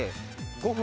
・５分？